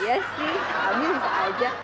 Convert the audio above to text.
ya sih abi susah aja